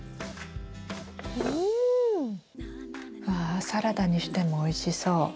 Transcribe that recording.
わサラダにしてもおいしそう。